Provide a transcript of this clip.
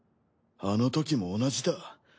あのときも同じだ。